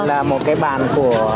đây là một cái bàn của